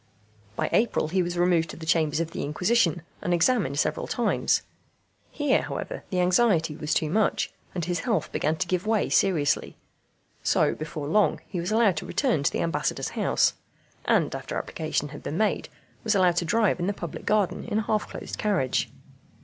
By April he was removed to the chambers of the Inquisition, and examined several times. Here, however, the anxiety was too much, and his health began to give way seriously; so, before long, he was allowed to return to the Ambassador's house; and, after application had been made, was allowed to drive in the public garden in a half closed carriage.